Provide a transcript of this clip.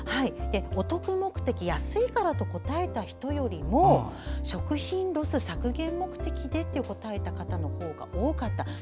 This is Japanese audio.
お得目的安いからと答えた人よりも食品ロス削減目的でと答える方のほうが多かった。